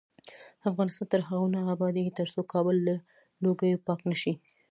افغانستان تر هغو نه ابادیږي، ترڅو کابل له لوګیو پاک نشي.